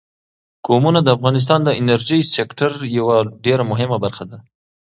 قومونه د افغانستان د انرژۍ سکتور یوه ډېره مهمه برخه ده.